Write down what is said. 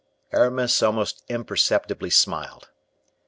'" Aramis almost imperceptibly smiled.